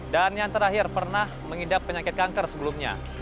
dan yang terakhir pernah mengidap penyakit kanker sebelumnya